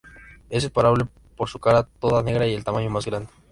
Es separable por su cara toda negra y el tamaño más grande.